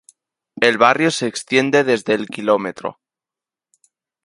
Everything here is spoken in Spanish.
El barrio se extiende desde el km.